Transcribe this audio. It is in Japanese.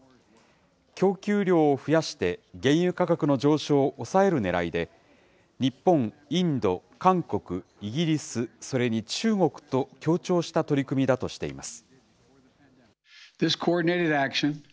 供給量を増やして、原油価格の上昇を抑えるねらいで、日本、インド、韓国、イギリス、それに中国と協調した取り組みだとしています。